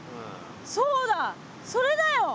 そうだそれだよ！